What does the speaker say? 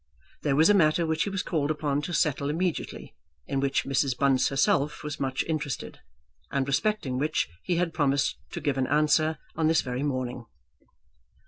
There was a matter which he was called upon to settle immediately in which Mrs. Bunce herself was much interested, and respecting which he had promised to give an answer on this very morning.